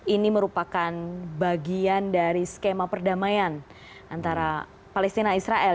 ini merupakan bagian dari skema perdamaian antara palestina israel